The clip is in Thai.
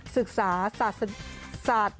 ศึกษาศาสตร์